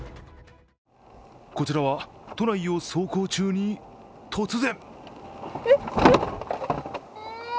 こちらは、都内を走行中に、突然。